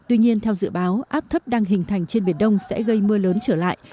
tuy nhiên theo dự báo áp thấp đang hình thành trên biển đông sẽ gây mưa lớn trở lại